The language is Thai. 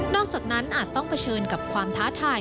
อกจากนั้นอาจต้องเผชิญกับความท้าทาย